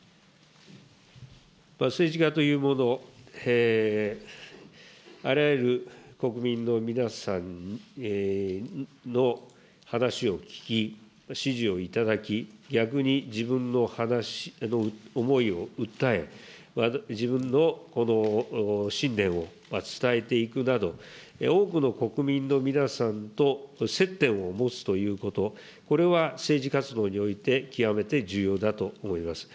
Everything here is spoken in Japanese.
政治家というもの、あらゆる国民の皆さんの話を聞き、支持をいただき、逆に自分の思いを訴え、自分の信念を伝えていくなど、多くの国民の皆さんと接点を持つということ、これは政治活動において、極めて重要だと思います。